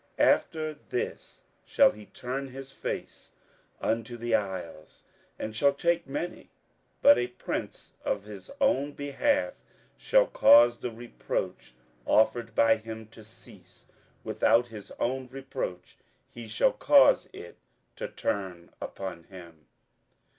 27:011:018 After this shall he turn his face unto the isles, and shall take many: but a prince for his own behalf shall cause the reproach offered by him to cease; without his own reproach he shall cause it to turn upon him.